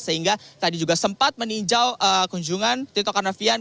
sehingga tadi juga sempat meninjau kunjungan tito karnavian